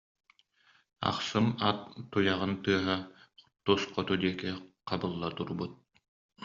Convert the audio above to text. Ахсым ат туйаҕын тыаһа тус хоту диэки хабылла турбут